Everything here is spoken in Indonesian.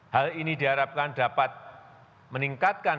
hal ini diharapkan dapat meningkatkan